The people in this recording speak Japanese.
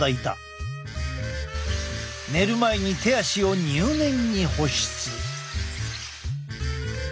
寝る前に手足を入念に保湿。